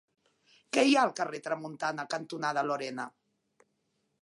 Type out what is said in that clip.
Què hi ha al carrer Tramuntana cantonada Lorena?